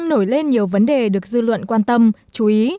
nổi lên nhiều vấn đề được dư luận quan tâm chú ý